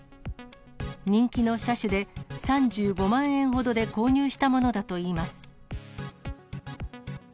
人気の車種で、３５万円ほどで購入したものだといいます。